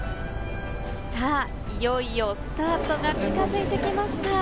いよいよスタートが近づいてきました。